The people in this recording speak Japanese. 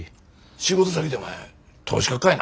仕事先てお前投資家かいな？